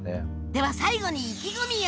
では最後に意気込みを！